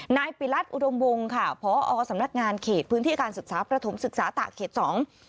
นายปิรัตนอุดมวงค่ะพอสำนักงานเขตพื้นที่การศึกษาประถมศึกษาตะเขตสอง